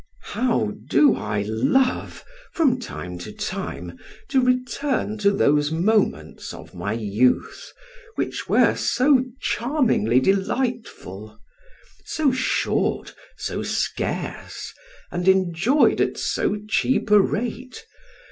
How do I love, from time to time, to return to those moments of my youth, which were so charmingly delightful; so short, so scarce, and enjoyed at so cheap a rate!